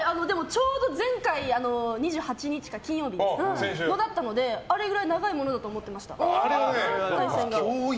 ちょうど前回２８日のだったのであれくらい長いものだと思ってました。